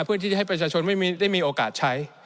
เพื่อที่จะให้ประชาชนไม่ได้มีโอกาสใช้